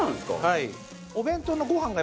はい。